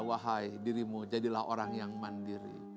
wahai dirimu jadilah orang yang mandiri